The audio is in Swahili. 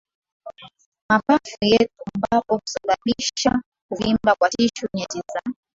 mapafu yetu ambapo husababisha kuvimba kwa tishu nyeti za